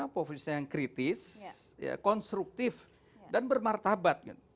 posisi yang kritis konstruktif dan bermartabat